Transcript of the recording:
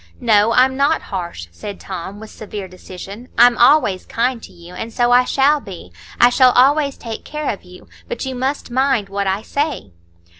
"No, I'm not harsh," said Tom, with severe decision. "I'm always kind to you, and so I shall be; I shall always take care of you. But you must mind what I say."